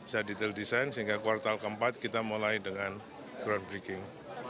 saya detail desain sehingga kuartal keempat kita mulai dengan groundbreaking